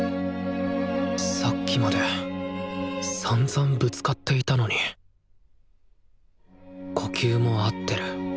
さっきまでさんざんぶつかっていたのに呼吸も合ってる。